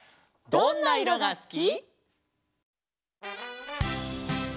「どんないろがすき」